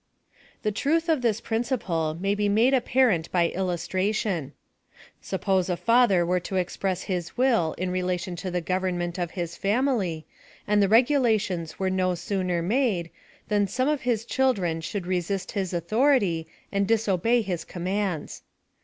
The truth of this principle may be made appa rent by illustration. Si ppose a father were to ex 104 PHILOSOPHY OF THE press his will in relation to the government of his family, and the regulations were no sooner made, than some of his children should resist his authority, and disobey his commands.